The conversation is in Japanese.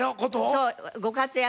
そうご活躍。